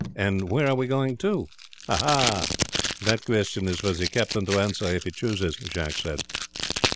"And where are we going to?" "Ah! that question is for the captain to answer if he chooses," Jacques said.